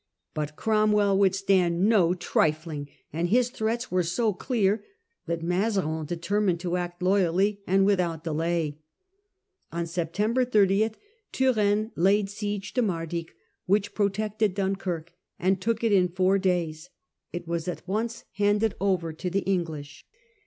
But Cromwell would stand no Capture of trifling, and his threats were so clear that October^ Mazarin determined to act loyally and without 1657. * delay. On September 30 Turenne laid siege to Mardyck, which protected Dunkirk, and took it in four days. It was at once handed over to the English.